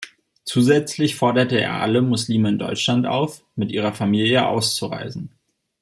Zusätzlich forderte er alle Muslime in Deutschland auf, mit ihrer Familie auszureisen.